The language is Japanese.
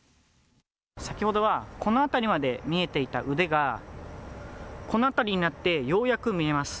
先ほどはこの辺りまで見えていた腕がこの辺りになってようやく見えます。